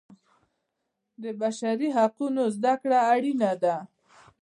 د بشري حقونو زده کړه اړینه ده.